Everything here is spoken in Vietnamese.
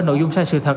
nội dung sai sự thật